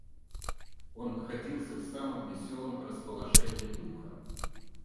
Он находился в самом веселом расположении духа.